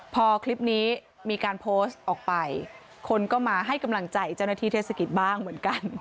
พอคลิปนี้มีการโพสต์ออกไปคนก็มาให้กำลังใจเจ้าหน้าที่เทศกิจบ้างเหมือนกัน